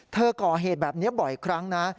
ก่อเหตุแบบนี้บ่อยครั้งนะ